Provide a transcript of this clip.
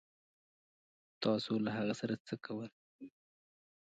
تاسو له هغه سره څه کول